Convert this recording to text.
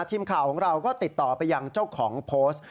ทีมข่าวของเราก็ติดต่อไปยังเจ้าของโพสต์